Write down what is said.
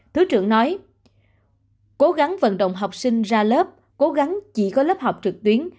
thứ trưởng nói cố gắng vận động học sinh ra lớp cố gắng chỉ có lớp học trực tuyến